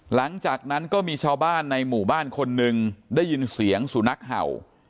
หลังจากนั้นก็มีชาวบ้านในหมู่บ้านคนหนึ่งได้ยินเสียงสุนัขเห่า